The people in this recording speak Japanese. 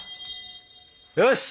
よし！